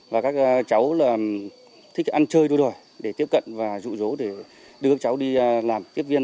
và các cháu là thích ăn chơi đôi đòi để tiếp cận và dụ dỗ để đưa các cháu đi làm tiếp viên